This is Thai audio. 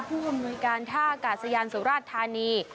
ผู้ความรุนการท่าอากาศยานสุรราชธานี